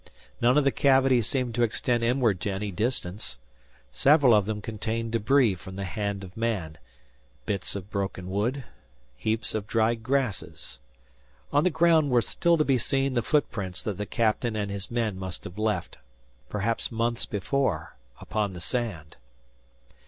None of its cavities seemed to extend inward to any distance. Several of them contained debris from the hand of man, bits of broken wood, heaps of dried grasses. On the ground were still to be seen the footprints that the captain and his men must have left, perhaps months before, upon the sand.